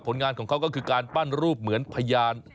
งานของเขาก็คือการปั้นรูปเหมือนพยาน